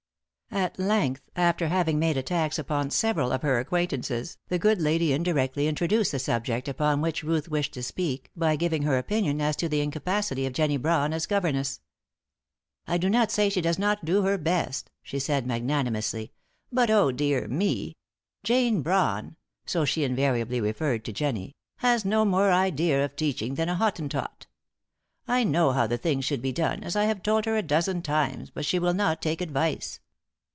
At length, after having made attacks upon several of her acquaintances, the good lady indirectly introduced the subject upon which Ruth wished to speak by giving her opinion as to the incapacity of Jennie Brawn as governess. "I do not say she does not do her best," she said, magnanimously, "but, oh, dear me! Jane Brawn" so she invariably referred to Jennie "has no more idea of teaching than a Hottentot. I know how the thing should be done, as I have told her a dozen times, but she will not take advice."